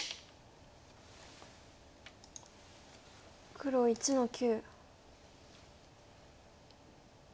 黒１の九。